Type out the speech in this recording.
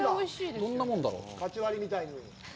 どんなもんだろう。